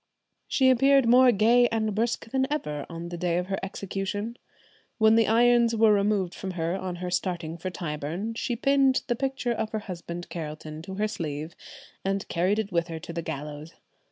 She appeared more gay and brisk than ever on the day of her execution. When the irons were removed from her on her starting for Tyburn, she pinned the picture of her husband Carelton to her sleeve, and carried it with her to the gallows.